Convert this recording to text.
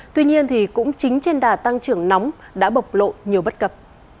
tuy nhiên thì cũng chính trên đà tăng trưởng nóng đã bộc lộ nhiều bất cập